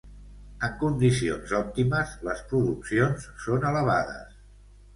En condicions òptimes les produccions són elevades.